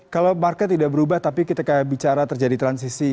kalau market tidak berubah tapi ketika bicara terjadi transisi